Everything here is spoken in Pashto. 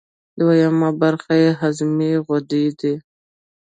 دویمه برخه یې هضمي غدې دي.